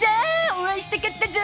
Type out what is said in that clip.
お会いしたかったゾ！